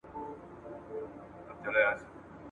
چي مو نه وینمه غم به مي په کور سي !.